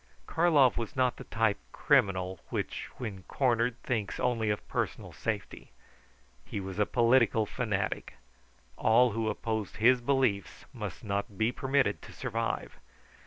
Karlov was not the type criminal, which when cornered, thinks only of personal safety. He was a political fanatic. All who opposed his beliefs must not be permitted to survive.